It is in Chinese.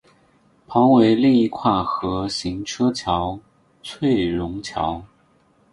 旁为另一跨河行车桥翠榕桥。